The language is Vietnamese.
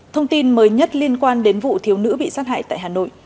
thông tin mới nhất liên quan đến vụ thiếu nữ bị sát hại tại hà nội